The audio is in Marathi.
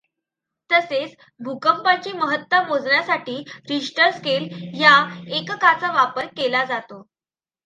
तसेच भूकंपाची महत्ता मोजण्यासाठी रिश्टर स्केल ह्या एककाचा वापर केला जातो.